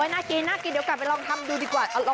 น่ากินเดี๋ยวก่อนไปลองทำดูดีกว่า